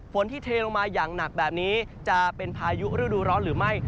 ที่เทลงมาอย่างหนักแบบนี้จะเป็นพายุฤดูร้อนหรือไม่